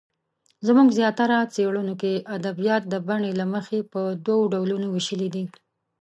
زموږ زیاتره څېړنو کې ادبیات د بڼې له مخې په دوو ډولونو وېشلې دي.